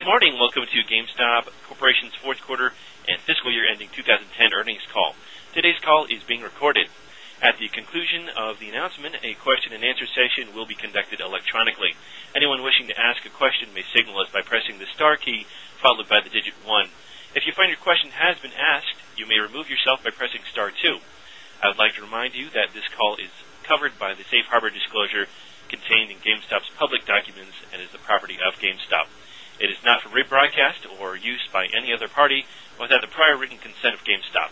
Morning. Welcome to GameStop Corporation's 4th Quarter and Fiscal Year Ending 20 10 Earnings Call. Today's call is being recorded. I would like to remind you that this call is covered by the Safe Harbor disclosure contained in GameStop's public documents and is the property of GameStop. It is not for rebroadcast or use by any other party or have the prior written consent of GameStop.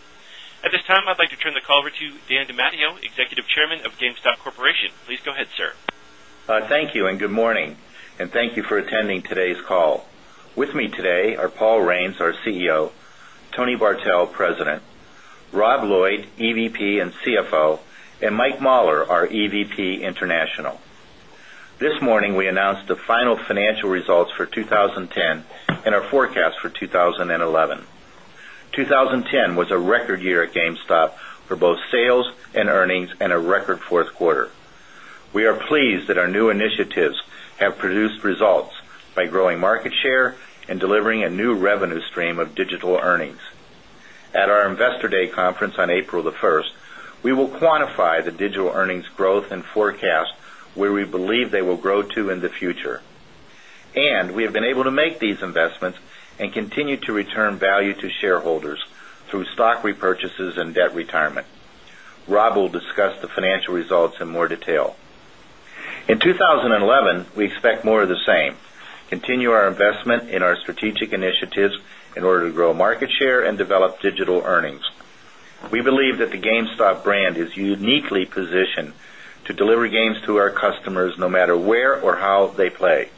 At this time, I'd like to turn the call over to Dan DiMatteo, Executive Chairman of GameStop Corporation. Please go ahead, sir. Thank you and good morning and thank you for attending today's call. With me today are Paul Raines, our CEO Tony Bartel, President Rob Lloyd, EVP and CFO and Mike Mahler, our EVP International. This morning, we announced the final financial results for 20.10 and our forecast for 20 11. 2010 was a record year at GameStop for both sales and earnings and a record 4th quarter. We are pleased that our new initiatives have produced results by growing market share and delivering a new revenue stream of continue to return value to shareholders through stock repurchases and debt retirement. Rob will discuss the financial results in more detail. 2011, we expect more of the same, continue our investment in our strategic initiatives in order to grow market share and develop digital earnings. We believe that the GameStop brand is uniquely positioned to deliver games to our customers matter where or how they play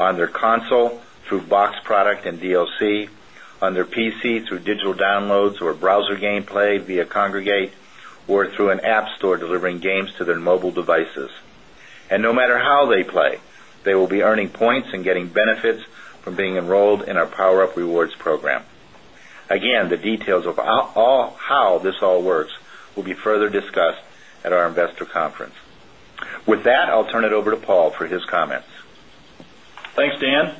on their console through box product and DLC, on their PC through digital downloads or browser gameplay via Kongregate or through an app store delivering games to their mobile devices. And no matter how they play, they will be earning points and getting benefits from being enrolled in our PowerUp Rewards program. Again, the details of how this all works will be further discussed at our investor conference. With that, I'll turn it over to Paul for his comments. Thanks, Dan.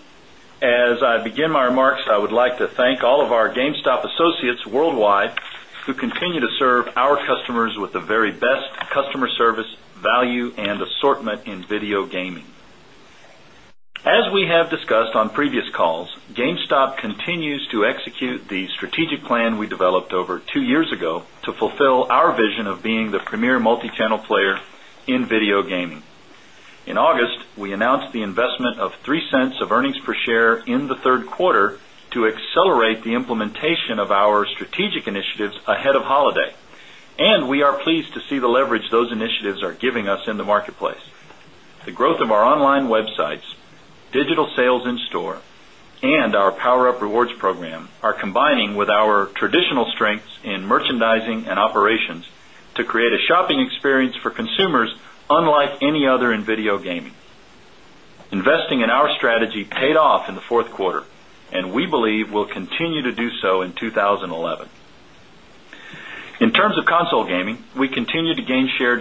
As I begin my remarks, I would like to thank all of our GameStop associates worldwide who continue to serve our customers with the very best customer service, value and the strategic plan we developed over 2 years ago to fulfill our vision of being the premier multi channel player in video gaming. In In strategic initiatives ahead of holiday and we are pleased to see the leverage those initiatives are giving us in the marketplace. The growth of our online websites, digital sales in store and our PowerUp Rewards program are combining with our traditional strengths in merchandising and operations to create a shopping experience for consumers unlike any other in video gaming. Investing in our strategy paid off in the 4th quarter and we believe we'll continue to do so in 2011. In terms of console gaming, we continue to gain share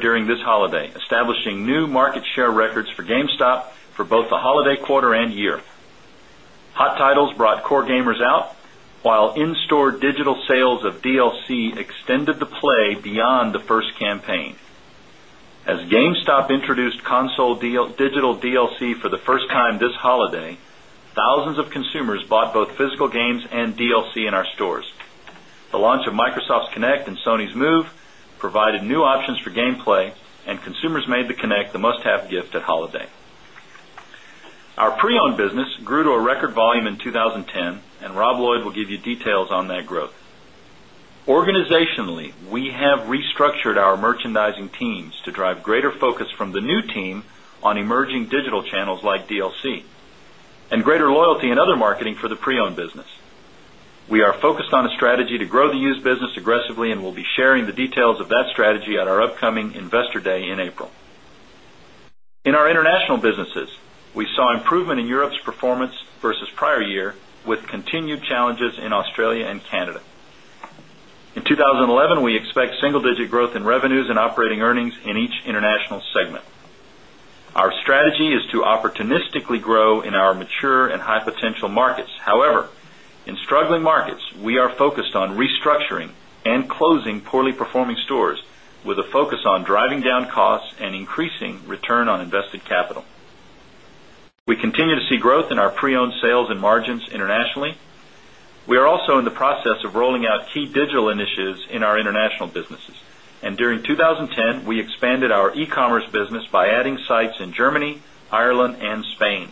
GameStop introduced console digital DLC for the first time this holiday, thousands of consumers bought both physical games and DLC in our stores. The launch of Microsoft's Kinect and Sony's move provided new options for gameplay and consumers made the Kinect the must have gift at holiday. Our pre owned business grew to a record volume in 2010 and Rob Lloyd will give you details on that growth. And greater loyalty and other marketing for the pre owned business. We are focused on a strategy to grow the used business aggressively and we'll be sharing the details of that strategy at our upcoming Investor Day in April. In our international businesses, we saw improvement in Europe's performance versus prior year with continued challenges in Australia and Canada. In 2011, we expect single digit growth in revenues and operating earnings in each international segment. Our strategy is to opportunistically grow in our mature and high potential markets. However, in struggling markets, we are focused on restructuring and closing poorly performing stores with a focus on driving down costs and increasing return on invested capital. We continue to see growth in our pre owned sales and margins 2010, we expanded our e commerce business by adding sites in Germany, Ireland and Spain.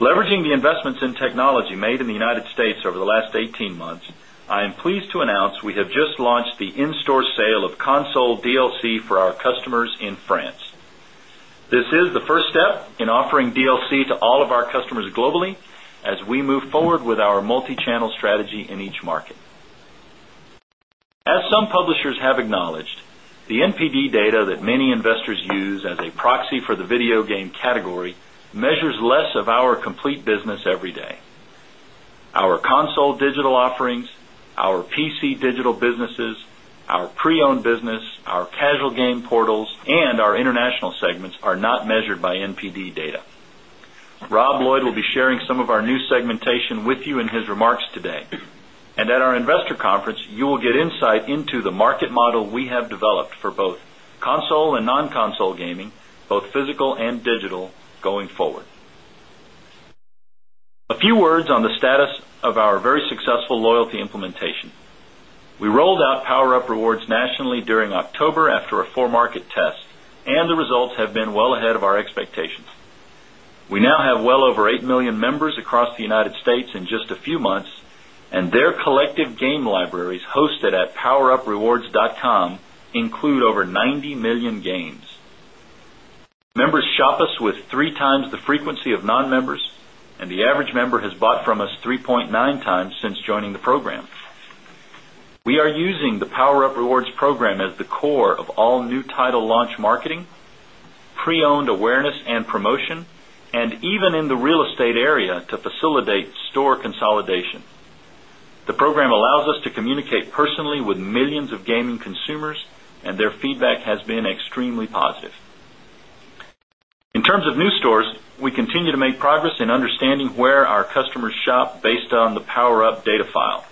Leveraging the investments in technology made in United States over the last 18 months, I am pleased to announce we have just launched the in store sale of console DLC for our customers in France. This is the first step in offering DLC to all of our customers globally as we move forward with our multi channel strategy in each market. As some publishers have acknowledged, the NPD data that many investors use as a proxy for the video game category measures less of our complete business every day. Our console digital offerings, our PC digital businesses, our pre owned business, casual game portals and our international segments are not measured by NPD data. Rob Lloyd will be sharing some of our new segmentation with you in his remarks today. And at our investor conference, you will get insight into the market model we have developed for both console and non console gaming, both physical and digital going forward. A few words on the status of our very successful loyalty implementation. We rolled out PowerUp Rewards nationally during October after a 4 market test and the results have been well ahead of our expectations. We now have well over 8,000,000 members across the United States in just a few months and their collective game libraries hosted at poweruprewards.com include over 90,000,000 games. Members shop us with 3 times the frequency of non members and the average member has bought from us 3.9 times since joining the program. We are using the PowerUp Rewards program as the core of all new title launch marketing, pre owned awareness and promotion and even in the real estate area to facilitate store consolidation. The program allows us to communicate personally with millions of gaming consumers and their feedback has been extremely positive. In terms of new stores, we continue to make progress in understanding where our customers shop based on the power up data file.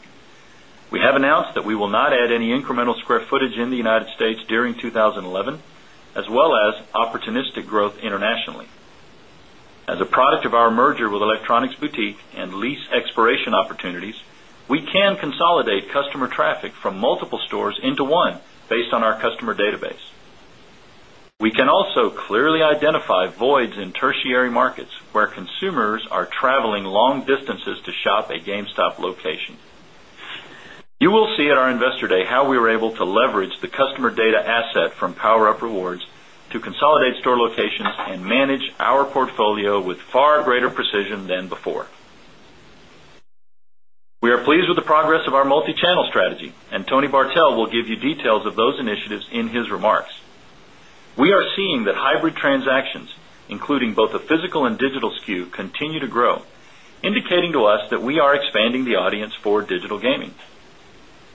We have announced that we will not add any incremental square footage in the United States during 2011 as well as opportunistic growth internationally. As a product of our merger with Electronics Boutique and lease expiration opportunities, we can consolidate customer traffic from multiple stores into 1 based on our customer database. We GameStop location. You will see at our Investor Day how we were able to leverage the customer data asset from PowerUp Rewards to consolidate store multi channel strategy and Tony Bartel will give you details of those initiatives in his remarks. We are seeing that hybrid transactions, including both the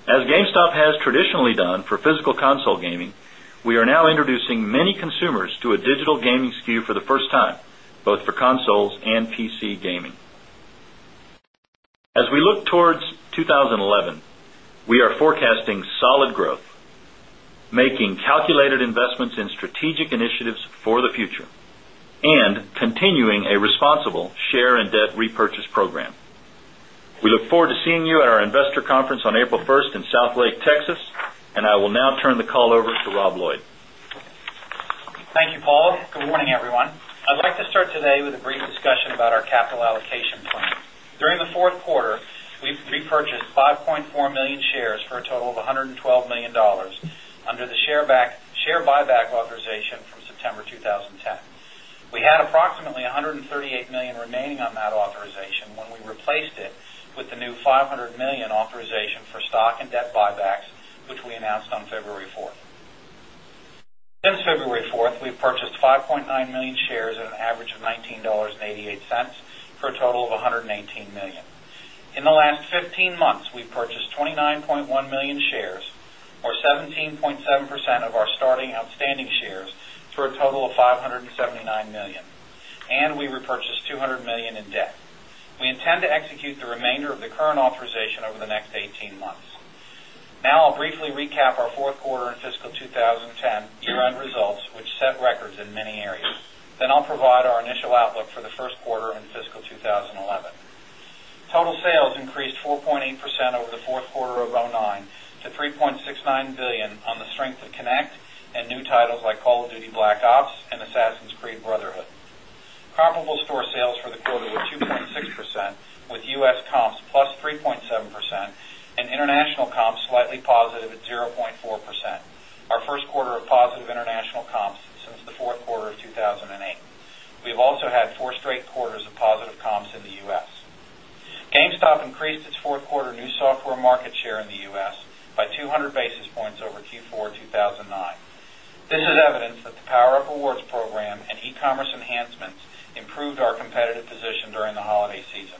has traditionally done for physical console gaming, we are now introducing many consumers to a digital gaming SKU for the first time, both for consoles and PC gaming. As we look towards 20 11, we are forecasting solid growth, calculated investments in strategic initiatives for the future and continuing a responsible share and debt repurchase program. We look forward to seeing you at our Investor Conference on April 1 in South Lake, Texas. And I will now turn the call over to Rob Lloyd. Thank you, Paula. Good morning, everyone. I'd like to start today with a brief discussion about our capital allocation plan. During the Q4, we repurchased 5,400,000 shares for a total of $112,000,000 under the share buyback authorization from September 2010. We had approximately $138,000,000 remaining on that authorization when we replaced it with the new $500,000,000 authorization for stock and debt buybacks, which we announced on February 4. Since February 4, we've purchased 5,900,000 shares at an average of 19 $0.88 for a total of $118,000,000 In the last 15 months, we purchased 29,100,000 shares or 17.7 percent of our starting outstanding shares for a total of $579,000,000 and we repurchased $200,000,000 in debt. We intend to 10 year end results, which set records in many areas. Then I'll provide our initial outlook for the Q1 and fiscal 2011. Total sales increased 4.8% over the Q4 of 2009 to $3,690,000,000 on the strength of Connect and new titles like Call of Duty: Black Ops and Assassin's Creed Brotherhood. Comparable store sales for the quarter were 2.6% with U. S. Comps plus 3.7% and international comps slightly positive at 0.4%. Our Q1 of positive international comps since the Q4 of 2,008. We've also had 4 straight quarters of positive comps in the U. S. GameStop increased its 4th quarter new software market share in the U. S. By 200 basis points over Q4 2,009. This is evidence that the PowerUp awards program and e commerce enhancements improved our competitive position during the holiday season.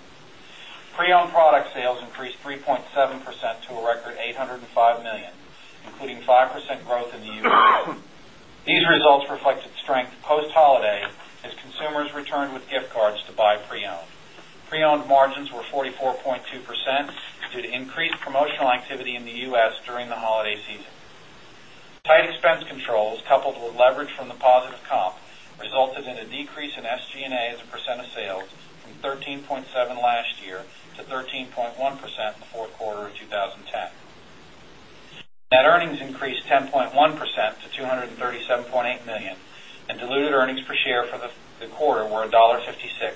Pre owned product sales increased 3 point 7% to a record $805,000,000 including 5% growth in the U. S. These results reflected strength post holiday as consumers returned with gift cards to buy pre owned. Pre owned margins were 44.2% due to increased promotional activity in the U. S. During the holiday season. Tight expense controls coupled with leverage from the positive comp resulted in a decrease in SG and A as a percent of sales from 13 point 7 last year to 13.1 percent in the Q4 of 2010. Net earnings increased 10.1 percent to 230 $7,800,000 and diluted earnings per share for the quarter were $1.56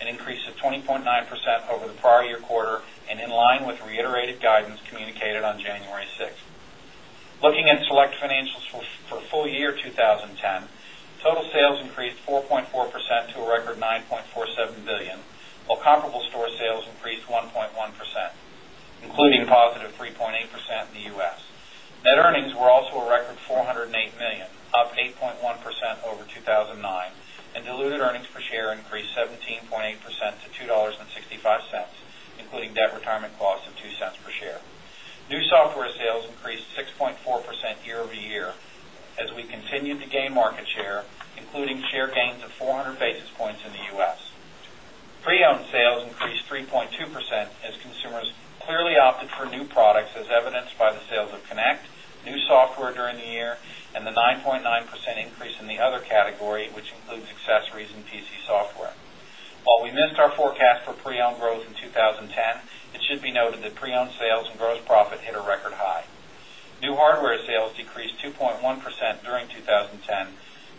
an increase of 20.9% over the prior year quarter and in line with reiterated guidance communicated on January 6. Looking at select financials for full year 2010, total sales increased 4.4 percent to a record $9,470,000,000 while comparable store sales increased 1.1%, including positive 3.8 percent in the U. S. Net earnings were also a record $408,000,000 up 8.1% over 2 1009 and diluted earnings per share increased 17.8 percent to $2.65 including debt retirement costs of $0.02 per share. New software sales increased 6.4% year over year as we continued to gain market share, including share gains of 400 basis points in the U. S. Pre owned sales increased 3.2% as consumers clearly opted for new products as evidenced by the sales of Connect, new software during the year and the 9.9% increase in the other category, which includes accessories and PC software. While we missed our forecast for pre owned growth in 2010, it should be noted that pre owned sales and gross profit hit a record high. New hardware sales decreased 2.1% during 2010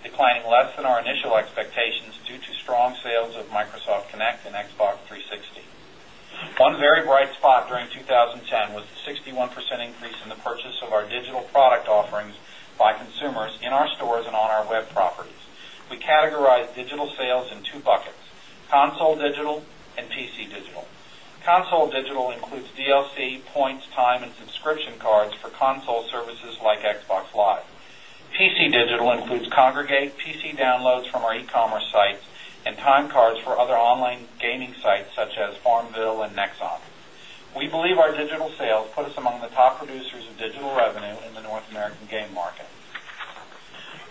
declining less than our initial expectations due to strong sales of Microsoft Connect and Xbox 360. One very bright spot during 2010 was the 61% increase in the purchase of our digital product offerings by consumers web properties. We categorize digital sales in 2 buckets, console digital and PC digital. Console digital includes believe our digital sales put us among the top producers of digital revenue in the North American game market.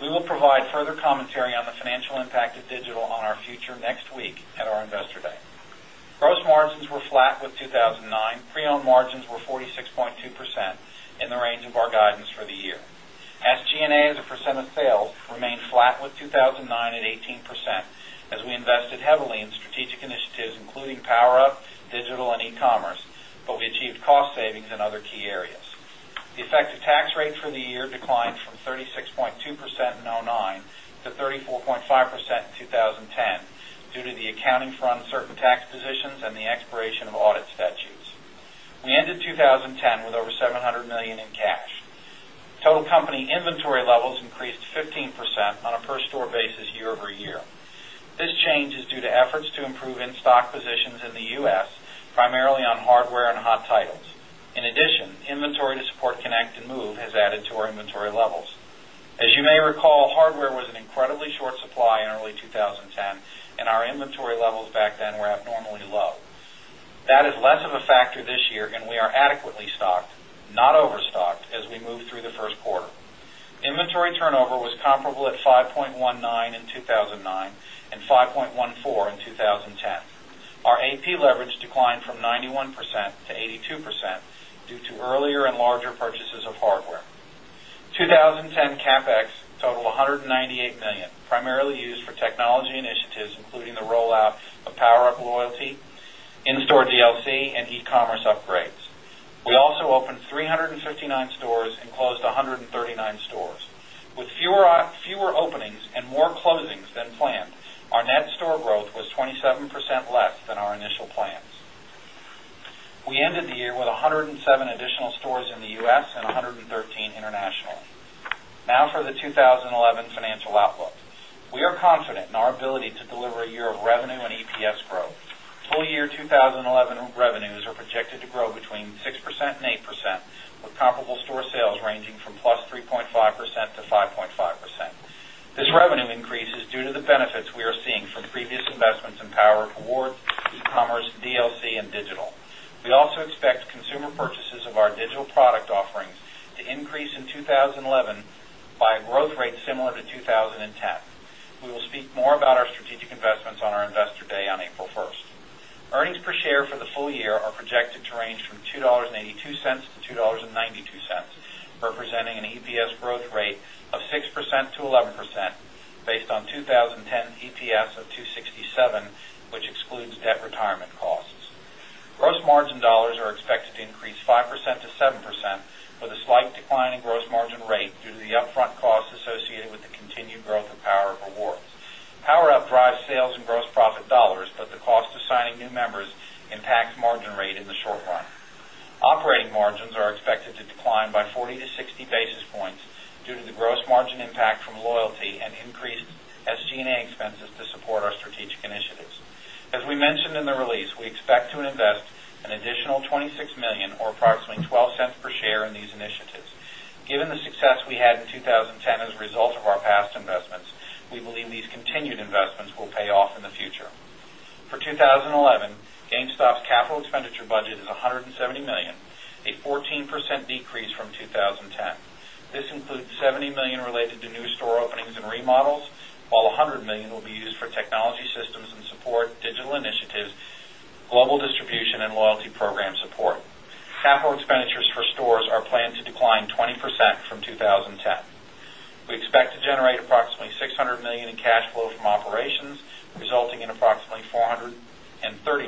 We will provide further commentary on the financial impact of digital on our future next week at our Investor Day. Gross margins were flat with 2,009, pre owned margins were 46.2% in the range of our guidance for the year. SG and A as a percent of sales remained flat with 2,009 at 18% as we invested heavily in strategic initiatives including Power Up, digital and e commerce, but we achieved cost savings in other key areas. The effective tax rate for the year declined from 36.2% in 2009 to 34.5% in 2010 due to the accounting for uncertain tax positions and the expiration of audit statutes. We ended 2010 with over $700,000,000 in cash. Total company inventory levels increased 15% on a per store basis year over year. This change is due to efforts to improve in stock positions in the U. S. Primarily on hardware and hot titles. In addition, inventory to support Connect and Move has added to our inventory levels. As you may recall, hardware was in incredibly short supply in early 2010 and our inventory levels back then were abnormally low. That is less of a factor this year and we are adequately stocked, not over stocked as we move through the Q1. Inventory turnover was comparable at 5.19 in 2,009 and 5.14 in 20 in 20 10. Our AP leverage declined from 91% to 82% due to earlier and larger purchases of hardware. 2010 CapEx totaled 198,000,000 dollars primarily used for technology initiatives including the rollout of PowerUp Loyalty, in store DLC and e commerce upgrades. We also opened 3 59 stores and closed 139 stores. With fewer openings and more closings than planned, our net store growth was 27% less than our initial plans. We ended the year with 107 additional stores in the U. S. And 100 and international. Now for the 2011 financial outlook. We are confident in our ability to deliver a year of revenue and EPS growth. Full year 2011 revenues are projected to grow between 6% 8% with comparable store sales ranging from +3.5 percent to 5.5%. This expect consumer purchases of our digital product offerings to increase in 2011 by a growth rate similar to 2010. We will speak more about our strategic investments on our Investor Day on April 1. Earnings per share for the full year are projected to range from $2.82 to $2.92 representing an EPS growth rate of 6% to 11% based on 20 10 EPS of 2.67 debt retirement costs. Gross margin dollars are expected to increase 5% to 7% with a slight decline in gross margin rate due to the upfront costs associated with the continued growth of PowerUp Rewards. PowerUp drives sales and gross profit dollars, but the cost of signing new members impacts margin rate in the short run. Operating margins are expected to decline by 40 basis points to 60 basis points due to the gross margin impact from loyalty and increased SG and A expenses to support our strategic initiatives. As we mentioned in the release, we expect to invest an additional $26,000,000 or approximately $0.12 per share in these initiatives. Given the success we had in 2010 as a result of our past investments, we believe these continued investments will pay off in the future. For 2011, GameStop's capital expenditure budget is $170,000,000 a 14% decrease from 20 $70,000,000 related to new store openings and remodels, all $100,000,000 will be used for technology systems and support, digital initiatives, global distribution and loyalty program support. Capital expenditures for stores are planned to decline 20% from 2010. We expect to generate approximately $600,000,000 in cash flow from operations, resulting in approximately 430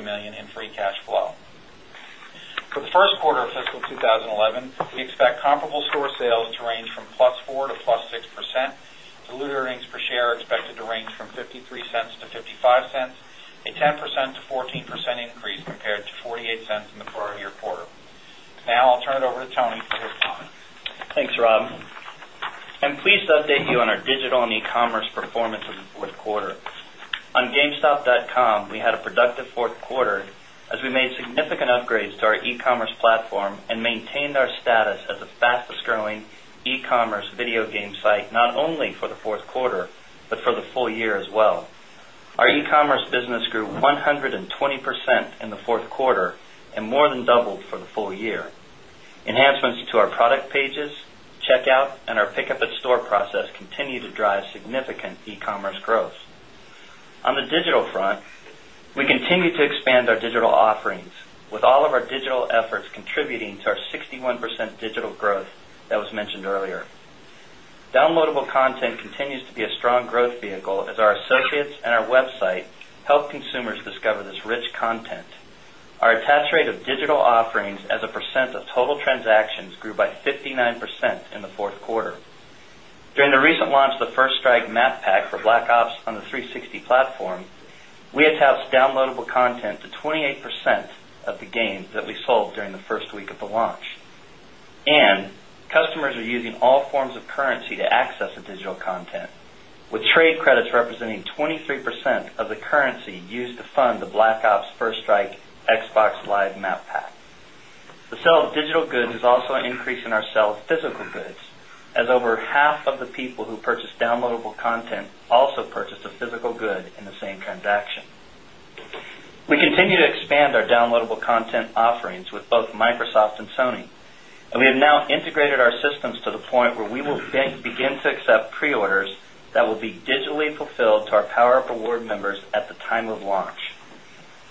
$1,000,000 in free cash flow. For the Q1 of fiscal 2011, we expect comparable store sales to range from plus 4% to plus 6%, diluted earnings per share expected to range from $0.53 to $0.55 a 10% to 14% increase compared to 0 point 48 dollars in the prior year quarter. Now, I'll turn it over to Tony for his comments. Thanks, Rob. I'm pleased to update you on our digital and e commerce performance quarter. On gamestop.com, we had a productive 4th quarter as we made significant upgrades to our e commerce platform and maintained our status as the fastest growing e commerce video game site, not only for the Q4, but for the full year as well. Our e commerce business grew 120% in the 4th quarter and more than doubled for the full year. Enhancements to our product pages, checkout and our pickup at store process continue to drive significant e commerce growth. On the digital front, we continue to expand our digital offerings with all of our digital efforts contributing to our 61% digital growth that was mentioned earlier. Downloadable content continues to be a strong growth vehicle as our associates and our website help consumers discover this rich content. Our attach Our attach rate of digital offerings as a percent of total transactions grew by 59% in the 4th quarter. During launch of the First Strike Map Pack for Black Ops on the 360 platform, we attached downloadable content to 28% of the games that we sold during the 1st week of the launch. And customers are using all forms of currency to access the digital content, with trade credits representing 23% of the currency used to fund the Black Ops First Strike Xbox Live map pack. The sale of digital goods is also an increase in our sale of physical goods as over half of the people who purchase downloadable content also purchased a physical good in the same transaction. We continue to expand our downloadable content offerings with both Microsoft and Sony. And we have now integrated our systems to the point where we will then begin to accept orders that will be digitally fulfilled to our PowerUp award members at the time of launch.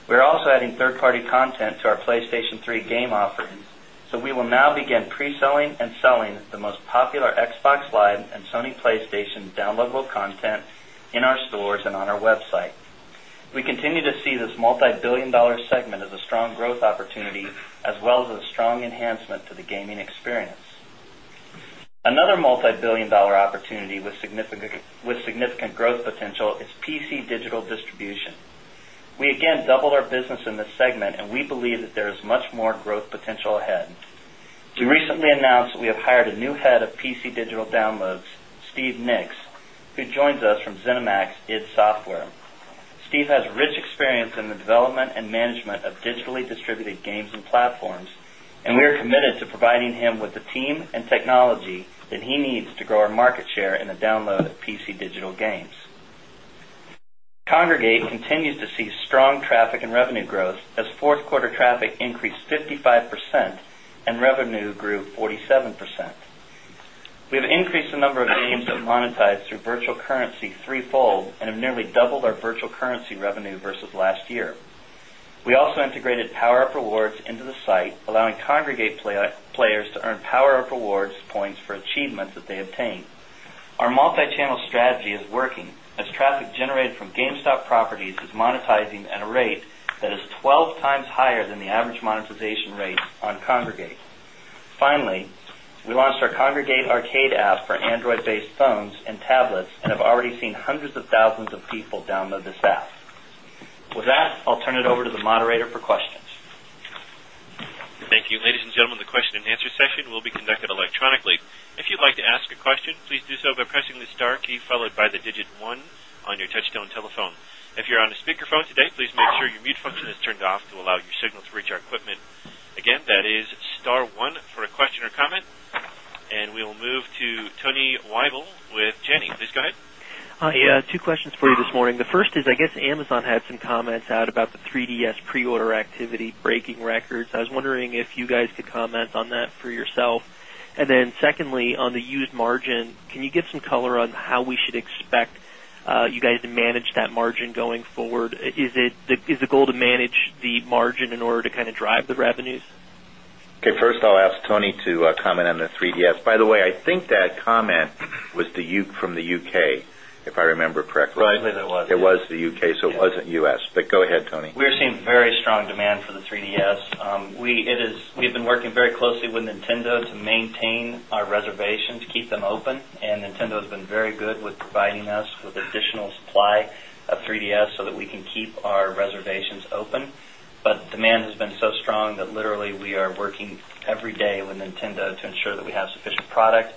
We're also adding 3rd party content to our PlayStation 3 game offerings. So we will now begin pre selling and selling the most popular Xbox Live and Sony PlayStation downloadable content in our stores and on our website. We continue to see this multibillion dollar segment as a strong growth opportunity as well as a PC Digital Distribution. We again doubled our business in this segment and we believe that there is much more growth potential ahead. We have hired a new Head of PC Digital Downloads, Steve Nicks, who joins us from ZeniMax id Software. Steve has rich experience in the development and management of digitally distributed games and platforms and we are committed to providing him with the team and technology that he needs to grow our market share in the increased 55% and revenue grew 47%. We have increased the number of games that monetize through virtual currency threefold and have nearly doubled our virtual currency revenue versus last year. We also integrated PowerUp strategy is working as traffic generated from GameStop properties is monetizing at a rate that is 12 times higher than the average monetization have already seen hundreds of thousands of people download this app. With that, I'll turn it over to the moderator for questions. Thank you. Ladies and gentlemen, the question and answer And we will move to Tony Weibel with Janney. Please go ahead. Hi. Two questions for you this morning. The first is, I guess, Amazon had some comments out about the 3DS preorder activity breaking records. I was wondering if you guys could comment on that for yourself? And then secondly, on the used margin, can you give some color on how we should expect you guys to manage that margin going forward? Is it is the goal to manage the margin in order to kind of drive the revenues? Okay. First, I'll ask Tony to comment on the 3DS. By the way, I think that comment was from the UK, if I remember correctly. Rightly, there was. It was the UK, so it wasn't U. S, but go ahead, Tony. We're seeing very strong demand for the 3DS. We've been working very closely with Nintendo to maintain our reservations, keep them open. And Nintendo has been very good with providing us with additional supply of 3DS so that we can keep our reservations open. But demand has been so strong that literally we are working every day with Nintendo to ensure that we have sufficient product.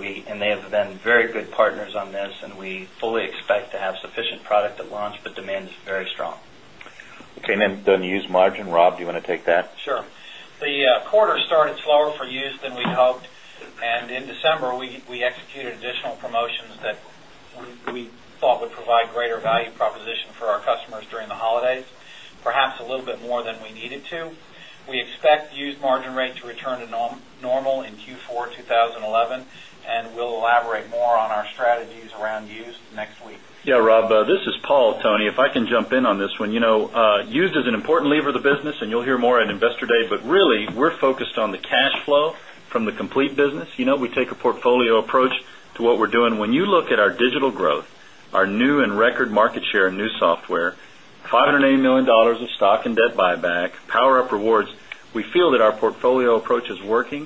We and they have been very good partners on this and we fully expect to have sufficient product to launch, but demand is very strong. Okay. And then the used margin, Rob, do you want to take that? Sure. The quarter started slower for used than we hoped. And in December, we executed additional promotions that we thought would provide greater value proposition for our customers during the holidays, perhaps a little bit more than we needed to. We expect used margin rate to return to normal in Q4 2011 and we'll elaborate more on our strategies around used next week. Yes, Rob. This is Paul, Tony. If I can jump in on this one, used is an important lever of the business and you'll hear more at Investor Day, but really we're focused on the cash flow from the complete business. We take a portfolio approach to what we're doing. When you look at our digital growth, our new and record market share in new software, dollars 5.80,000,000 of stock and debt buyback, PowerUp Rewards, we feel that our portfolio approach is working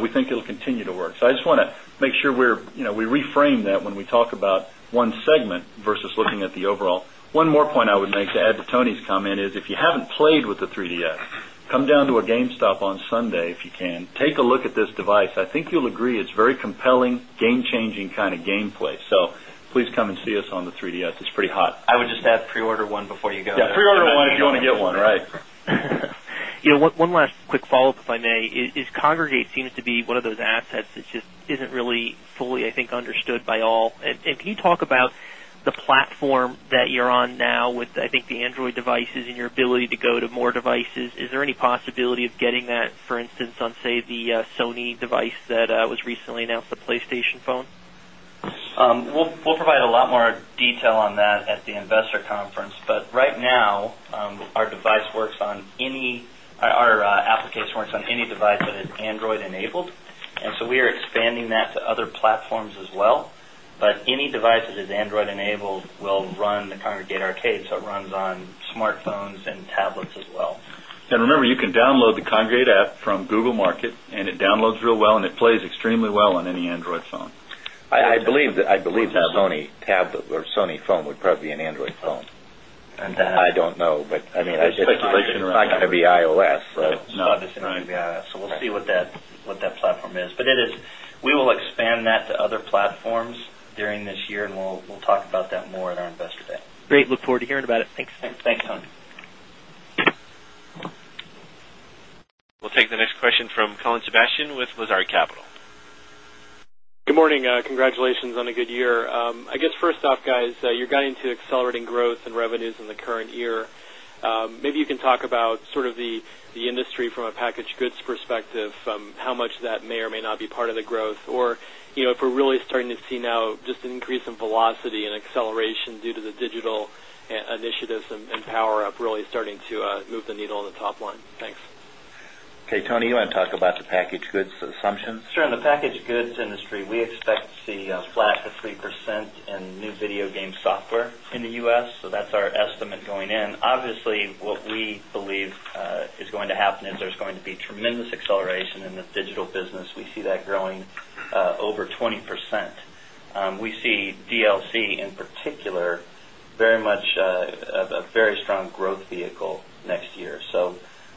we think it will continue to work. So I just want to make sure we reframe that when we talk about one segment versus looking at the overall. One more point I would make to add to Tony's comment is if you haven't played with the 3DS, come down to a GameStop on Sunday if you can, take a look at this device. I think you'll agree it's very compelling, game changing kind of gameplay. So please come and see us on the 3DS, it's pretty hot. I would just add pre order one before you go. Yes, pre order one if you want get one, right? One last quick follow-up, if I may. Is Congregate seems to be one of those assets that just isn't really fully understood by all. And can you talk about the platform that you're on now with I think the Android devices and your ability We'll provide a lot more detail on that at the Investor Conference. We'll provide a lot more detail on that at the Investor Conference. But right now, our device works on any our application works on any device that is Android enabled. And so, we are expanding that to other platforms as well. But any device that is Android enabled will run the remember, you can download the Congurate app from Google Market and it downloads real well and it plays extremely well on any Android phone. I believe that Sony tablet or Sony phone would probably be an Android phone. I don't know, but I mean, it's not going to be iOS. Not going to be iOS. So we'll see what that platform is. But it is we will expand that to other platforms during this year and we'll talk about that more at our Investor Day. Great. Look forward to hearing about it. Thanks. Thanks, Colin. We'll take the next question from Colin Sebastian with Lazard Capital. I guess first off guys, you got into accelerating growth in revenues in the current year. Maybe you can talk about sort of the industry from a packaged goods perspective, how much that may or may not be part of the growth? Or if we're really starting to see now just an increase in velocity and acceleration due to the digital initiatives and power up really starting to move the needle on the top line? Thanks. Okay. Tony, you want to talk about the packaged goods assumption? Sure. In the packaged goods industry, we expect to see flat to 3% in new video game software in the U. S. So that's our estimate going in. Obviously, what we believe is going to happen is there's going to be tremendous acceleration in the digital business. We see that growing over vehicle next year.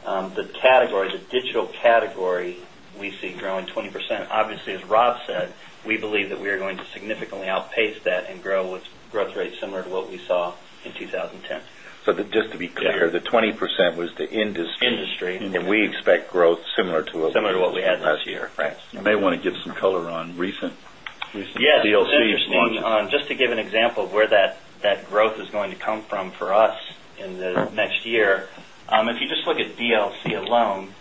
So, the category, the digital category, we see growing 20%. Obviously, as Rob said, we believe that we are going to significantly outpace that and grow with growth rates similar to what we saw in 2010. So just to be clear, the 20% was the industry and we expect growth similar to what we had this year. You may want to give some color on recent DLC. Yes. And just to give an example where that growth is going to come from for us in the next year. If you just look at DLC alone,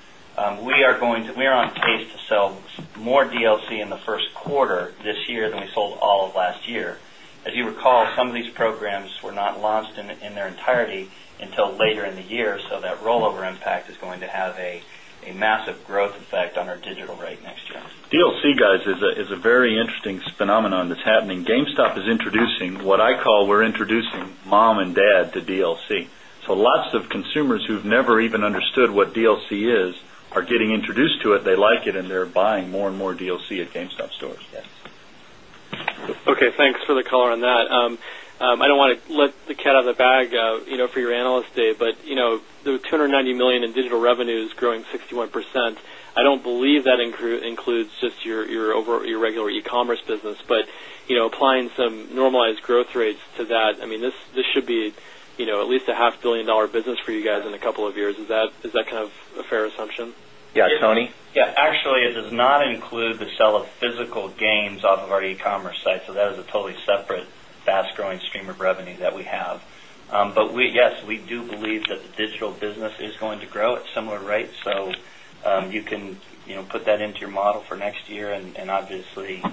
we are going to we are on pace to sell more DLC in the first quarter this year than we sold all of last year. As you recall, some of these programs were not launched in their entirety until later in the year. So, that rollover impact is going to have a massive growth effect on our digital rate next year. DLC guys is a very interesting phenomenon that's happening. GameStop is introducing what I call, we're introducing mom and dad to DLC. So lots of consumers who've never even understood what DLC is are getting introduced to it. They like it and they're buying more and more DLC at GameStop stores. Okay. Thanks for the color on that. I don't want to let the cat out of the bag for your Analyst Day, but the $290,000,000 in digital revenues growing 61%, I don't believe that includes just your over your regular e commerce business, but applying some normalized growth rates to that, I mean, this should be at least a $500,000,000 business for you guys in a couple of years. Is that kind of a fair assumption? Yes, Tony? Yes, actually it does not include the sale of physical games off of our e commerce site. So that is a totally separate fast growing stream of revenue that we have. But yes, we do believe that the digital business is going to grow at similar rates. So you can put that into your model for next year and obviously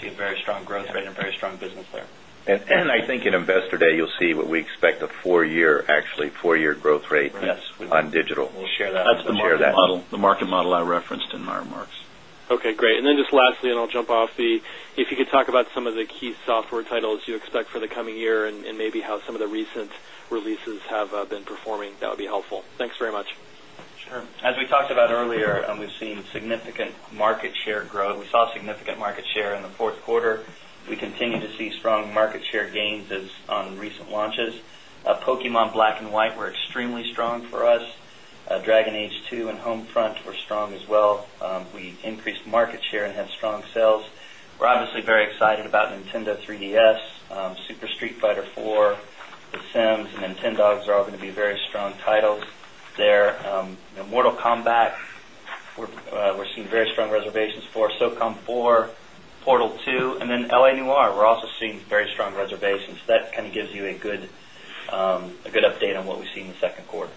see a very strong growth rate and very strong business there. And I think at Investor Day, you'll see what we expect a 4 year actually 4 year growth rate on digital. We'll share that model, the market model I referenced in my remarks. Okay, great. And then just lastly and I'll jump off the if you could talk about some of the key software titles you expect for the coming year and be how some of the recent releases have been performing that would be helpful? Thanks very much. Sure. As we talked about earlier and we've seen significant market share growth. We saw significant market share in the Q4. We continue to see strong market share gains on recent launches. Pokemon Black and White were extremely strong for us. Dragon Age 2 and Homefront were strong as well. We increased market share and had strong sales. We're obviously very excited about Nintendo 3DS, Super Street Fighter IV, The Sims and Nintendogs are all going to be very strong titles there. Mortal Kombat, we're seeing very strong reservations for SOCOM 4, Portal 2 and then L. Noire, we're also seeing very strong reservations. That kind of gives you a good update on what we see in the second quarter.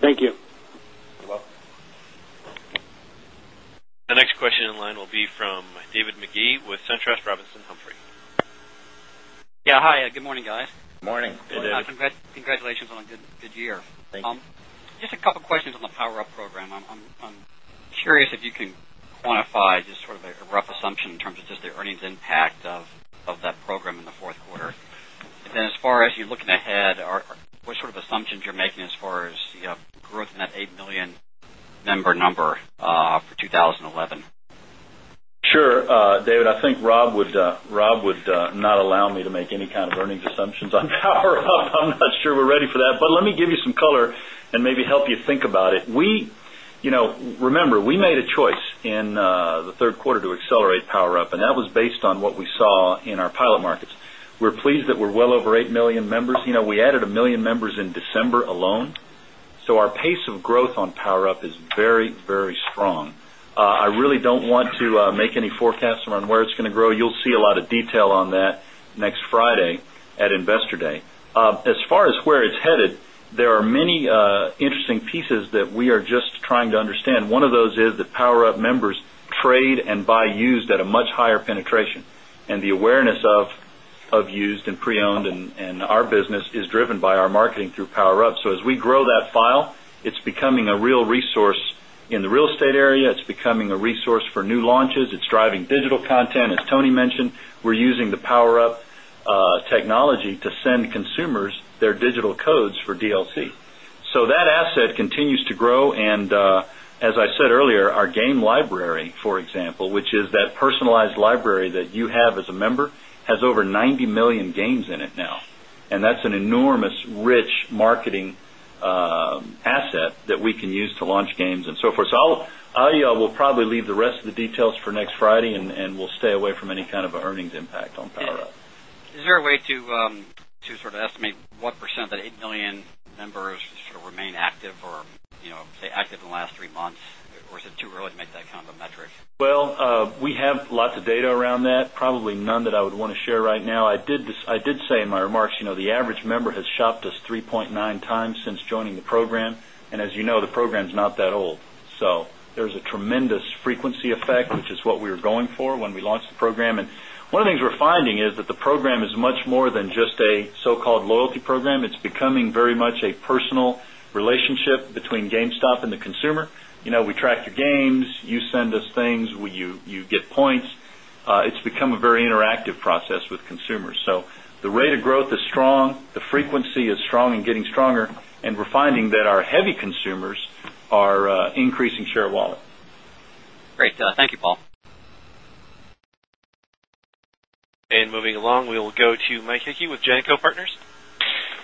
Thank you. You're welcome. The next question in line will be from David Magee with SunTrust Robinson Humphrey. Yes. Hi. Good morning, guys. Good morning. Good morning, David. Congratulations on a good year. Thank you. Just a couple of questions on the PowerUp program. I'm curious as you're looking ahead, what sort of assumptions you're making as far as growth in that 8,000,000 member number for 2011? Sure. David, I think Rob would not allow me to make any kind of earnings assumptions on PowerUp. I'm not sure we're ready for that, but let me give you some color and maybe help you think about it. We remember, we made a choice in the 3rd quarter to accelerate PowerUp and that was based on what we saw in our pilot markets. We're pleased that we're well over 8,000,000 members. We added 1,000,000 members in December alone. So our pace of growth on PowerUp is very, very strong. I really don't want to make any forecasts around where it's going to grow. You'll see a lot of detail on that next Friday at Investor Day. As far as where it's headed, there are many interesting pieces that we are just trying to understand. One of those is that PowerUp members trade and buy used at a much higher penetration and resource for new real resource in the real estate area. It's becoming a resource for new launches. It's driving digital content. As Tony mentioned, we're using the PowerUp technology to send consumers their digital codes for DLC. So that asset continues to grow. And as I said earlier, our game library, for example, which is that personalized library that you have as a member, has over 90,000,000 games in it now. And that's an enormous rich marketing asset that we can use to launch games and so forth. So, Adia will probably leave the rest of the details for next Friday and we'll stay away from any kind of earnings impact on PowerUp. Is there a way to sort of estimate what percent of that 8,000,000 members remain active or say active in the last 3 months? Or is it too early to make that kind of a metric? Well, we have lots of data around that, probably none that I would want to share right now. I did say in my remarks, the average member has shopped us 3.9 times since joining the program. And as you know, the program is not that old. So there is a tremendous frequency effect, which is what we were going for when we launched the program. And one of the things we're finding is that the program is much more than just a so called loyalty program. It's becoming very much a personal very interactive process with consumers. So the rate of growth is strong. Very interactive process with consumers. So the rate of growth is strong, the frequency is strong and getting stronger and we're finding that our heavy consumers are increasing share of wallet. Great. Thank you, Paul. And moving along, we will go to Mike Hickey with Janco Partners.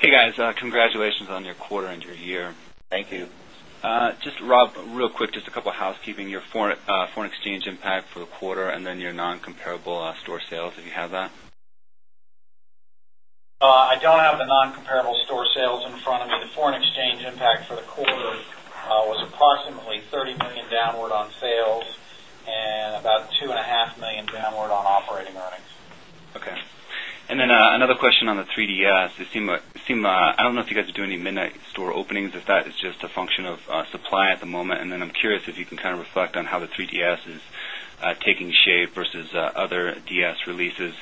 Hey, guys. Congratulations on your quarter and your year. Thank you. Just Rob, real quick, just a couple of housekeeping. Housekeeping, your foreign exchange impact for the quarter and then your non comparable store sales, if you have that? I don't have the non comparable store sales in front of me. The store sales in front of me. The foreign exchange impact for the quarter was approximately $30,000,000 downward on sales and about $2,500,000 downward on operating earnings. Okay. And then another question on the 3DS. It seem I don't know if you guys are doing any midnight store openings, if that is just a if that is just a function of supply at the moment. And then I'm curious if you can kind of reflect on how the 3DS is taking shape versus other DS releases.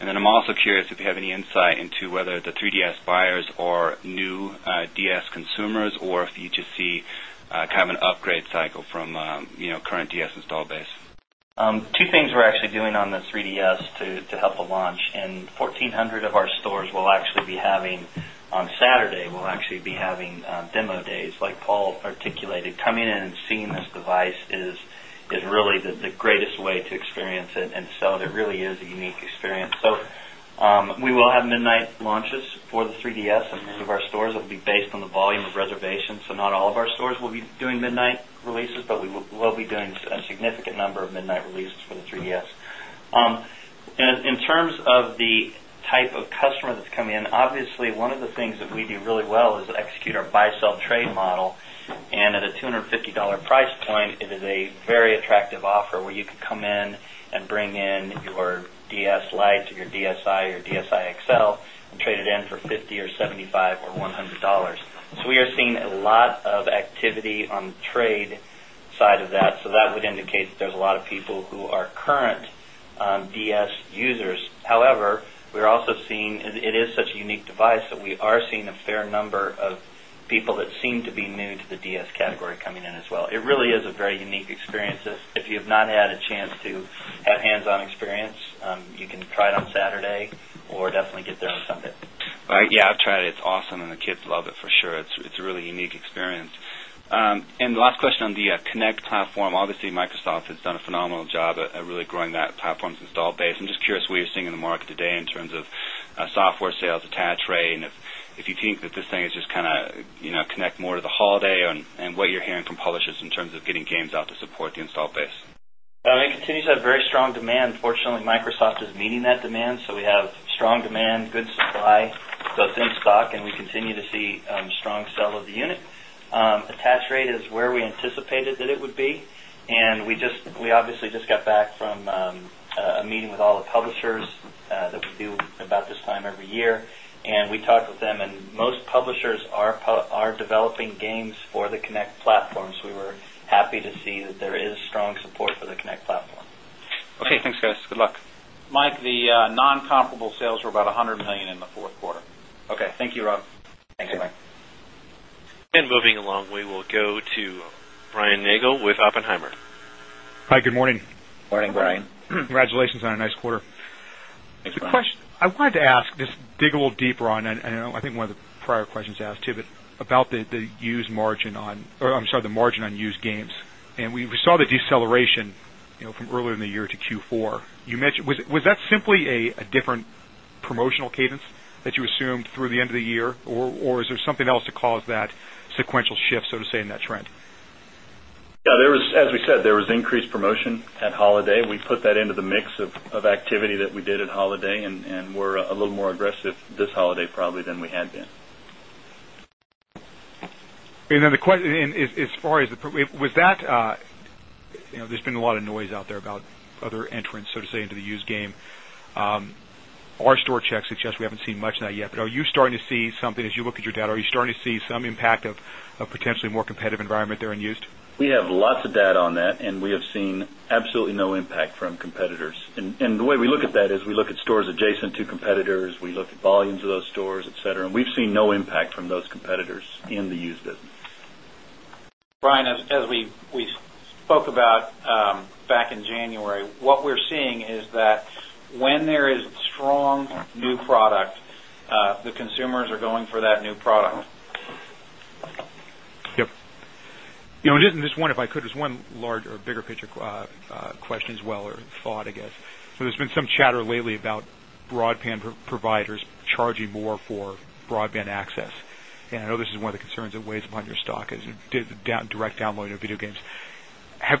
And then I'm also curious if you have any insight into whether the 3DS buyers are new DS consumers or if you just see kind of an upgrade cycle from current DS installed base? 2 things we're actually doing on the 3DS to help the launch and 14 100 of our stores will actually be having on Saturday, we'll actually be having demo days like Paul articulated coming in and seeing this device is really the greatest way to experience it and so it really is a unique experience. So, we will have midnight launches for the 3DS in many of our stores that will be based on the volume of reservation. So, not all of our stores will be doing midnight releases, but we will be doing a significant number of midnight releases for the 3DS. In terms of the type of customer that's coming in, obviously, one of the things that we do really well is execute our buy, sell, trade model and at a $2.50 price point, it is a very attractive offer where you could come in and bring in your DS Lite to your DSI or DSI XL and trade it in for $50 or $75 or $100 So we are seeing a lot of activity on the trade side of that. So that would indicate that there's a lot of people who are current DS users. However, we're also seeing it is such a unique device that we are seeing a fair number of people that seem to be new to the DS category coming in as well. It really is a very unique experience. If you have not had a chance to have hands on experience, you can try it on Saturday or definitely get there on Sunday. Yes, I'll try it. It's awesome and the kids love it for sure. It's a really unique experience. And the last question on the Connect platform, obviously, Microsoft has done a phenomenal job of really growing that platform's installed base. I'm just curious what you're seeing in the market today in terms of software sales attach rate and if you think that this thing is just kind of connect more to the holiday and what you're hearing from publishers in terms of getting games out to support the installed base? It continues to have very strong demand. Fortunately, Microsoft is meeting that demand. So we have strong demand, good supply, both in stock and we continue to see strong sell of the unit. Attach rate is where we anticipated that it would be and we just we obviously just got back from a meeting with all the publishers that we do about this time every year and we talk with them and most publishers are developing games for the Kinect platforms. We were happy to see that there is strong support for the Connect platform. Okay. Thanks, guys. Good luck. Mike, the non comparable sales were about $100,000,000 in the 4th quarter. Thanks, Mike. And moving along, we will go to Brian Nagel with Oppenheimer. Hi, good morning. Good morning, Brian. Congratulations on a nice quarter. Thanks, Brian. I wanted to ask just dig a little deeper on and I think one of the prior questions asked, Tiv, about the used margin on I'm sorry, the margin on used games. And we saw the deceleration from earlier in the year to Q4. You mentioned was that simply a different promotional cadence that you assumed through the end of the year or is there something else to cause that sequential shift, so to say, in that trend? Yes, there was as we said, there was increased promotion at holiday. We put that into the mix of activity that we did at holiday and we're a little more aggressive this holiday probably than we had been. And then the question is as far as the was that there's been a lot of noise out there about other entrants, so to say, into the used game. Our store checks suggest we haven't seen much of that yet, but are you starting to see something as you look at your data, are you starting to see some impact of potentially more competitive environment there in used? We have lots of data on that and we have seen absolutely no impact from competitors. And the way we look at that is we look at stores adjacent to competitors, we look at volumes of those stores, etcetera, and we've seen no impact from those competitors in the used business. Brian, as we spoke about back in January, what we're seeing is that when there is strong new product, the consumers are going for that new product. Yes. And just one if I could, just one larger bigger picture question as well or thought, I guess. So there's been some chatter lately about broadband providers charging more for broadband access. And I know this is one of the concerns that weighs upon your stock as you did direct download of video games.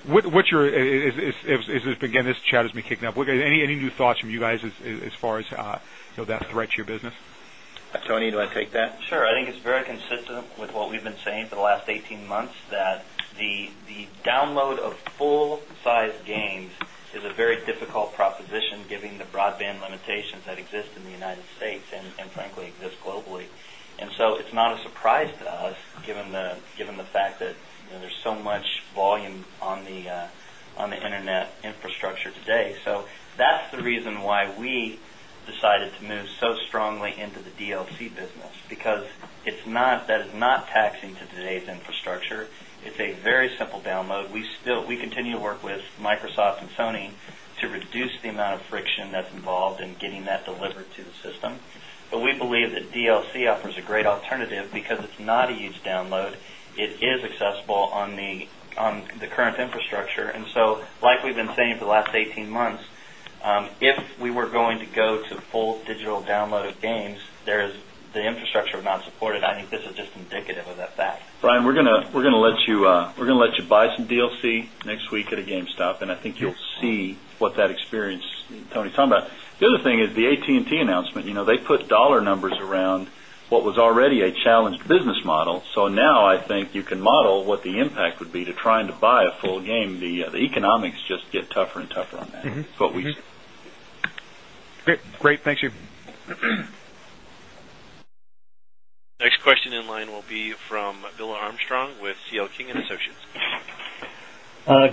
What's your again, this chat has been kicking up. Any new thoughts from you guys as far as that threat to your business? Tony, do I take that? Sure. I think it's very consistent with what we've been saying for the last 18 months that the download of full size games is a very difficult proposition given the broadband limitations that exist in the United States and frankly exist globally. And so, it's not a surprise to us given the fact that there's so much volume on the Internet infrastructure today. So, that's the reason why we decided to move so strongly into the DLC business because it's not that is not taxing to today's infrastructure. It's a very simple download. We still we continue to work with Microsoft and Sony to reduce the amount of friction that's involved in getting that delivered to the system. But we believe that DLC offers a great alternative because it's not a huge download. It accessible on the current infrastructure. And so like we've been saying for the last 18 months, if we were going to go to full digital downloaded games, there is the infrastructure not supported. I think this is just indicative of that fact. Brian, we're going to let you buy some DLC next week at a GameStop. And I think you'll see what that experience Tony is talking about. The other thing is the AT and T announcement, they put dollar numbers around what was already a challenged business model. So now I think you can model what the impact would be to trying to buy a full game. The economics just get tougher and tougher on that. Okay, great. Thank you. Next question in line will be from Bill Armstrong with C. L. King and Associates.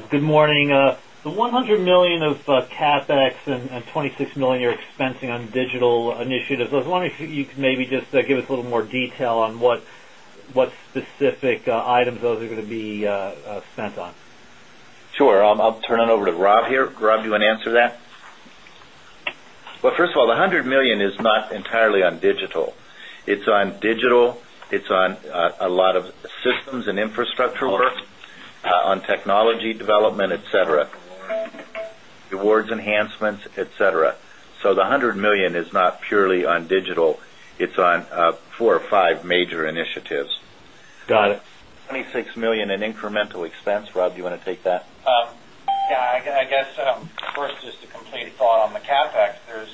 Good morning. The 100,000,000 dollars of CapEx and $26,000,000 you're expensing on digital initiatives. I was wondering if you could maybe just give us a little more detail on what specific items those are going to be spent on? Sure. I'll turn it over to Rob here. Rob, do you want to answer that? Well, first of all, the 100,000,000 is not entirely on digital. It's on digital, it's on a lot of systems and infrastructure work, on technology development, etcetera, awards enhancements, etcetera. So the 100,000,000 is not purely on digital, it's on 4 or 5 major initiatives. Got it. 26,000,000 in incremental expense. Rob, do you want to take that? Yes. I guess, first, just a complete thought on the CapEx. There's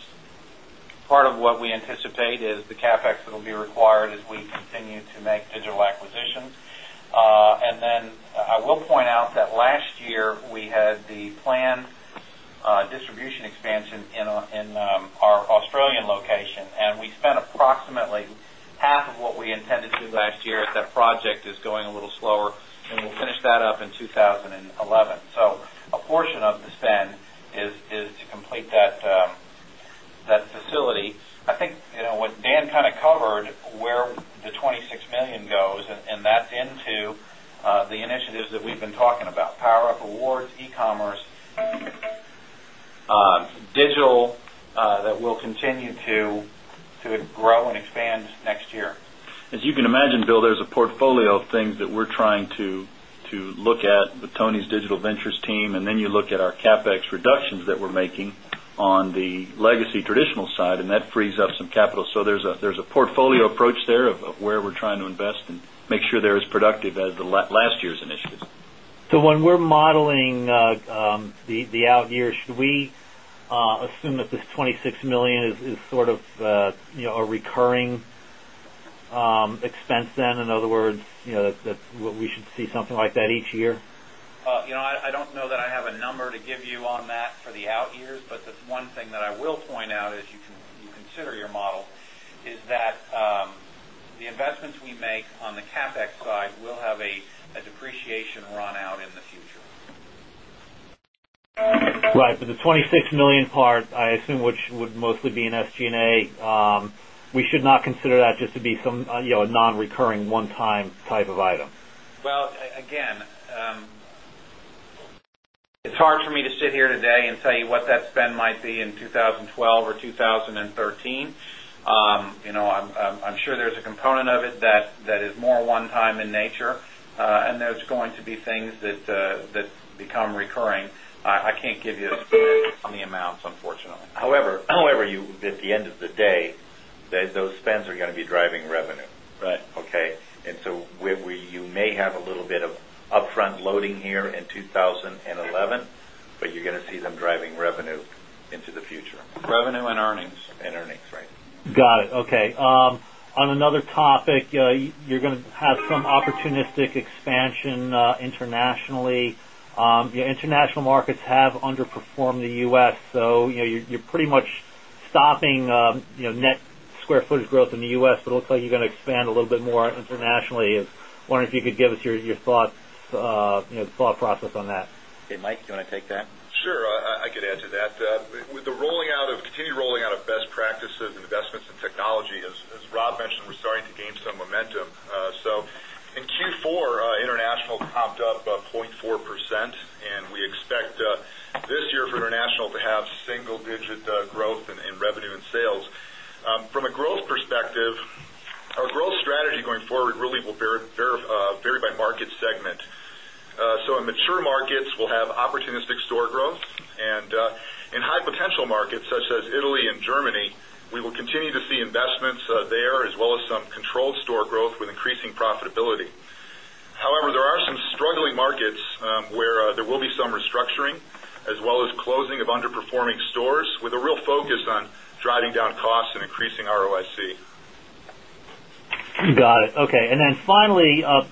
part of what we anticipate is the CapEx that will be required as we continue to make digital acquisitions. And then I will point out that last year we had the planned distribution expansion in our Australian location and we spent approximately half of what we intended to do last year as that project is going a little slower and we'll finish that up in 2011. So, a portion of the spend is to complete that facility. I think what Dan kind of covered where the 26 $1,000,000 goes and that's into the initiatives that we've been talking about PowerUp Awards, e commerce, digital that will continue to grow and expand next year. As you can imagine, Bill, there is a portfolio of things that we're trying to look at with Tony's Digital Ventures team and then you look at our CapEx reductions that we're making on the legacy traditional side and that frees up some capital. So there's a portfolio approach there of where we're trying to invest and make sure they're as productive as the last year's initiatives. So when we're modeling the out years, should we assume that this $26,000,000 is sort of a recurring expense then? In other words, that we should see something like that each year? I don't know that I have a number to you on that for the out years, but that's one thing that I will point out as you consider your model is that the investments we make on the CapEx side will have a depreciation run out in the future. Right. But the $26,000,000 part, I assume, which would mostly be in SG and A, we should not consider that just to be some nonrecurring one time type of item? Well, again, it's hard for me to sit here today and tell you what that spend might be in 2012 or 2013. I'm sure there is a component of it that is more one time in nature and there's going to be things that become recurring. I can't give you on the amounts However, at the end of the day those spends are going to be driving revenue, okay. And so, where you may have a little bit of upfront loading here in 2011, but you're going to see them driving revenue into the future. Revenue and earnings. And earnings, right. Got it. Okay. On another topic, you're going to have some opportunistic expansion internationally. International markets have underperformed the U. S. So you're pretty much stopping net square footage growth in the U. S, but it looks like you expand a little bit more internationally. I wonder if you could give us your thought process on that? Hey, Mike, you want to take that? Sure. I could add to that. With the rolling out of continued rolling out of best practices and investments in technology, as mentioned, we're starting to gain some momentum. So in Q4, international comped up 0.4% and we expect this year for international to have single digit growth in revenue and sales. From a growth perspective, our growth strategy going forward really will vary by market segment. So in mature markets, we'll have opportunistic store growth and in high potential markets such as Italy and Germany, we will continue to see investments there as well as some controlled store growth with increasing profitability. However, there are some struggling markets where there will be some restructuring as well as closing of underperforming stores with a real focus on driving down costs and increasing ROIC. Got it. Okay. And then finally, on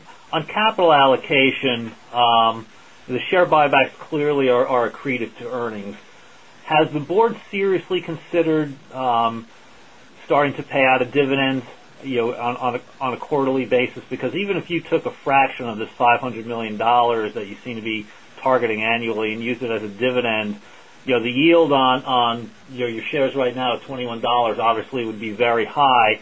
capital allocation, the share buybacks clearly are accretive to earnings. Has the Board seriously considered starting to pay out a dividend on a quarterly basis because even if you took a fraction of this $500,000,000 that you seem be targeting annually and use it as a dividend, the yield on your shares right now at $21 obviously would be very high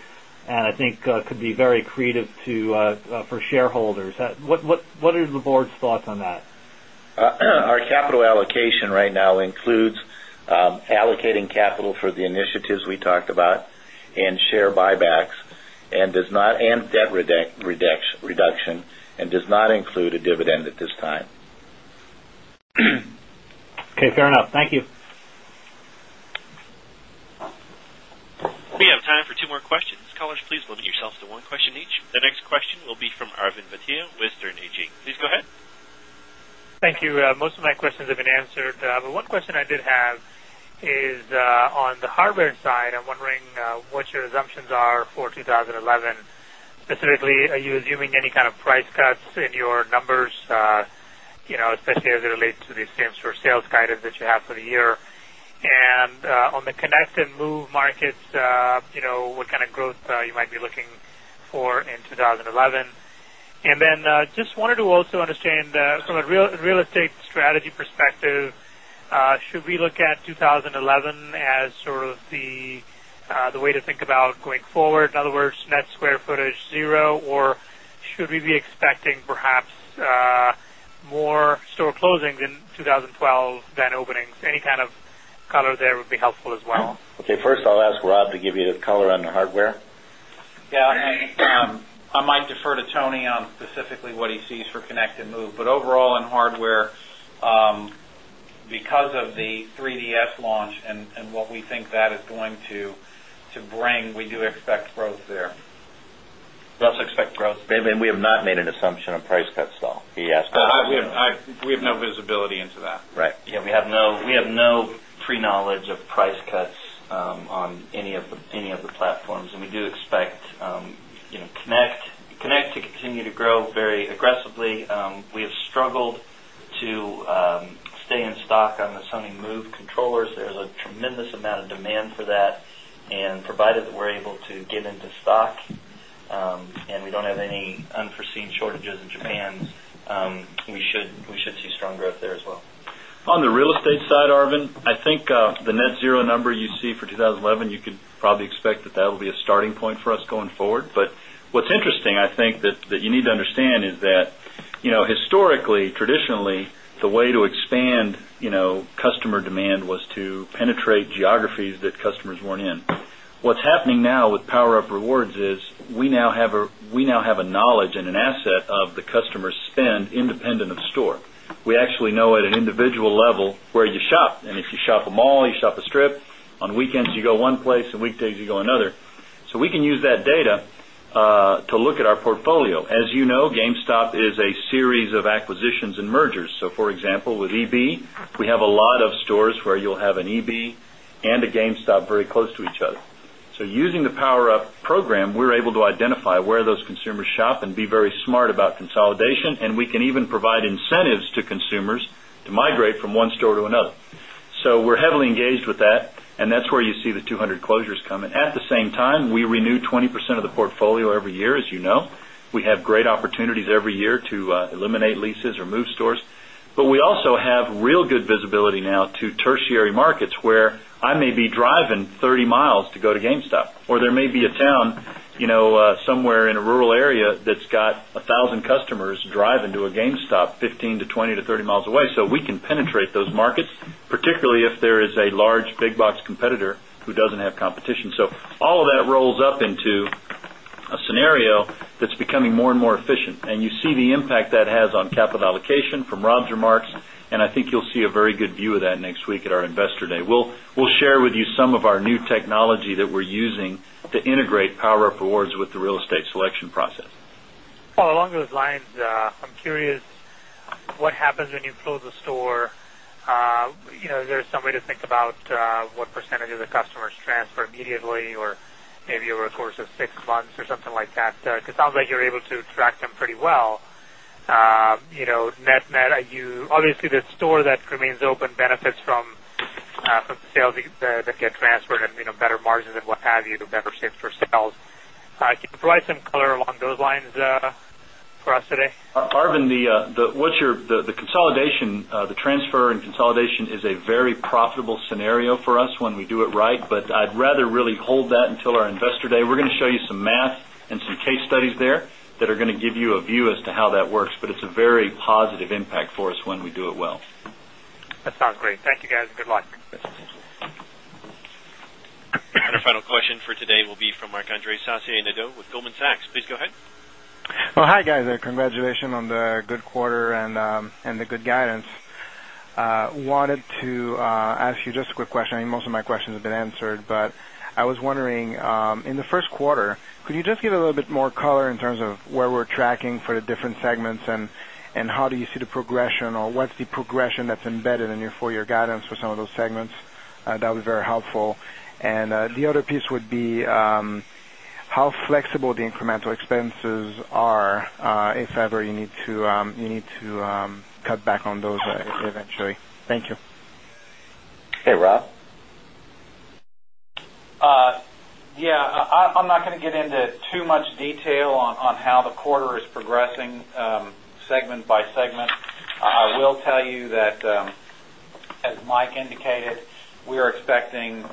and I think could be very accretive to for shareholders. What is the Board's thoughts on that? Our capital allocation debt reduction and does not include a dividend at this time. And debt reduction and does not include a dividend at this time. Okay, fair enough. Thank you. We have time for 2 more questions. Callers please limit yourself to one question each. The next question will be from Arvind Bhatia Western HD. Please go ahead. Thank you. Most of my questions have been answered. But one question I did have is on the hardware side. I'm wondering what your assumptions are for 2011? Specifically, are you assuming any kind of price cuts in your numbers, especially as it relates to the same store sales guidance that you have for the year? And on the just wanted to also understand from a real estate strategy perspective, should we look at 2011 as sort of the way to think about going forward? In other words, net square footage 0 or should we be expecting more store closings in 2012 than openings? Any kind of color there would be helpful as well. Okay. First, I'll ask Rob to give you the color on the hardware. Yes. I might defer to Tony on specifically what he sees for Connect and Move. But overall in hardware, because of the 3DS launch and what we think that is going to bring, we do expect growth there. We also expect growth. And we have not made an assumption of price cuts though. We have no visibility into that. Right. Yes, we have no pre knowledge of price cuts on any of the platforms and we do expect Connect to continue to grow very aggressively. We have struggled to stay in stock on the Sony Move controllers. There is a tremendous amount of demand for that and provided that we're able to get into stock and we don't have any unforeseen shortages in Japan, we should see strong growth there as well. On the real estate side, Arvind, I think the net zero number you see for 2011, you could probably expect that that will be a starting point for us going forward. But what's interesting, I think, that you need to understand is that historically, traditionally, the way to expand customer demand was to penetrate geographies that customers weren't in. What's happening now with PowerUp Rewards is we now have a knowledge and an asset of the customer spend independent of store. We actually know at an individual level where you shop and if you shop a mall, you shop a strip, on weekends you go one place and weekdays you go another. So we can use that data to look at our portfolio. As you know, GameStop is a series of acquisitions and mergers. So for example, with EB, we have a lot of stores where you'll have an EB and a GameStop very close to each other. So using the PowerUp program, we're able to identify where those consumers shop and be very smart about consolidation and we can even provide incentives to consumers to migrate from one store to another. So we're heavily engaged with that and that's where you see the 200 closures come in. At the same time, we renew 20% of the portfolio every year, as you know. We have great opportunities every year to eliminate leases or move stores, but we also have real good visibility now to tertiary markets where I may be driving 30 miles to go to GameStop or there may be a GameStop 15 to 20 to 30 miles away. So we can penetrate those markets. GameStop 15 to 20 to 30 miles away. So we can penetrate those markets, particularly if there is a large big box competitor who doesn't have competition. So all of that rolls up into a scenario that's becoming more and more efficient. And you see the impact that has on capital allocation Rob's remarks. And I think you'll see a very good view of that next week at our Investor Day. We'll share with you some of our new technology that we're using to integrate PowerUp Rewards with the real estate selection process. Paul, along those lines, I'm curious what happens when you close the store? Is there some way to think about what percentage of the customers transfer immediately or maybe over the course of 6 months or something like that? Because it sounds like you're able to track them pretty well. Net net, are you obviously, the store that remains open benefits from the sales that get transferred and better margins and what have you, better same store sales. Can you provide some color along those lines for us today? Arvind, what's your the consolidation is a very profitable scenario for us when we do it right, but I'd rather really hold that until our Investor Day. We're going to show you some math and some case studies there that are going to give you a view as to how that works, but it's a very positive impact for us when we do it well. That sounds great. Thank you, guys. Good luck. And our final question for today will be from Marc Andre Saissiere Nadeau with Goldman Sachs. Please go ahead. Hi, guys. Congratulations on the good quarter and the good guidance. Wanted to ask you just a quick question. I think most of my questions have been answered. But I was wondering, in the Q1, could you just give a little bit more color in terms of where we're tracking for the different segments and how do you see the progression or what's the progression that's embedded in your full year guidance for some of those segments? That would be very helpful. And the other piece would be how flexible the incremental expenses are if ever you need to cut back on those eventually? Thank you. Hey, Rob. Yes, I'm not going to get into too much detail on how the quarter is progressing segment by segment. I will tell you that as Mike indicated, we are expecting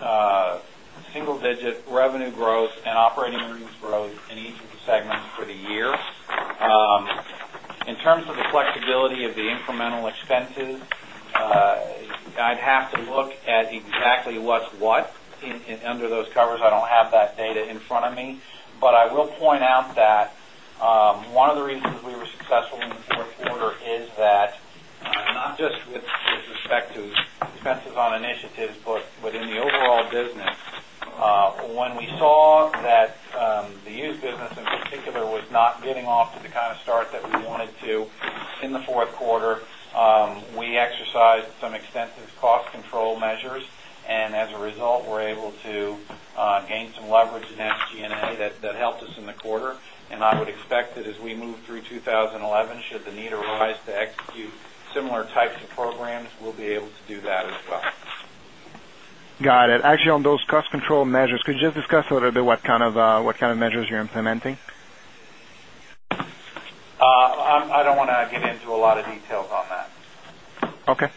single digit revenue growth and operating earnings growth in each of the segments for the year. In terms of the flexibility of the incremental expenses, I'd have to at exactly what's what under those covers. I don't have that data in front of me. But I will point out that one of the reasons we were successful in the Q4 is that not just with respect to expenses on initiatives, but within the overall business when we saw that the used business in particular was not getting off to the kind of start that we wanted to in the 4th quarter. We exercised some extensive cost control measures and as a result we're able to gain some leverage in SG and A that helped us in the quarter and I would expect that as we move through 2011 should the need arise to execute similar types of programs, we'll be able to do that as well. Got it. Actually on those cost control measures, could you just discuss a little bit what kind of measures you're you're implementing? I don't want to get into a lot of details on that. Okay,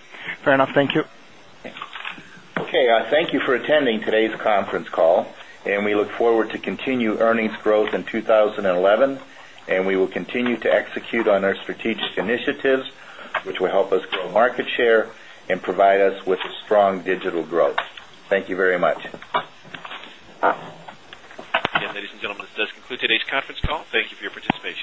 fair enough. Thank you. Thank you for attending today's conference call and we look forward to continue earnings growth in 2011 and we will continue to execute on our strategic initiatives, which will help us grow market share and provide us with a strong digital growth. Thank you very much. Yes, ladies and gentlemen, this does conclude today's conference call. Thank you for your participation.